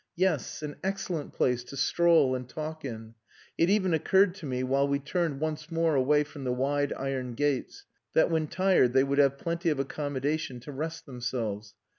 Yes, an excellent place to stroll and talk in. It even occurred to me, while we turned once more away from the wide iron gates, that when tired they would have plenty of accommodation to rest themselves.